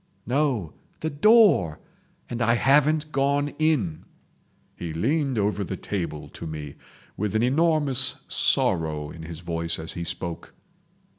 "No—the door! And I haven't gone in!" He leaned over the table to me, with an enormous sorrow in his voice as he spoke.